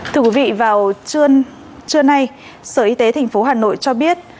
thưa quý vị vào trưa nay sở y tế tp hà nội cho biết